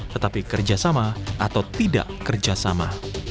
tetapi kerjasama atau tidak kerjasama